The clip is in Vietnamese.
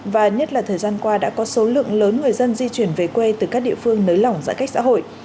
và nhất là thời gian qua đã có số lượng lớn người dân di chuyển về quê từ các địa phương nới lỏng giãn cách xã hội